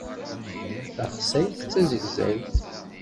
Taxsayt d tazegzawt.